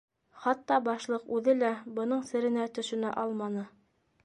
Хатта Башлыҡ үҙе лә бының серенә төшөнә алманы.